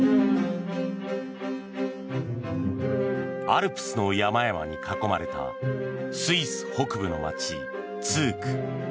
アルプスの山々に囲まれたスイス北部の町ツーク。